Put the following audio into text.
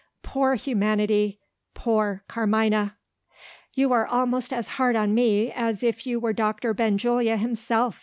Poor humanity! poor Carmina! "You are almost as hard on me as if you were Doctor Benjulia himself!"